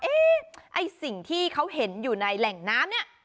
ไอ้สิ่งที่เขาเห็นอยู่ในแหล่งน้ำเนี่ย